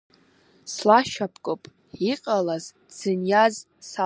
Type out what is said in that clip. Слашьапкып, иҟалаз, дзыниаз салҳәап…